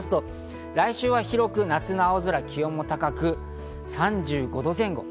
来週は広く夏の青空、気温も高く３５度前後。